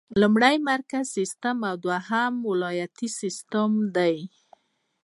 لومړی مرکزي سیسټم او دوهم ولایتي سیسټم دی.